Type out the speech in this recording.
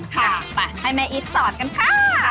ค่ะไปให้แม่อีทสอนกันค่ะ